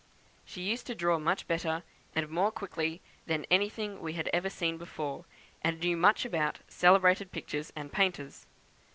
She used to draw much better, and more quickly, than anything we had seen before, and knew much about celebrated pictures and painters.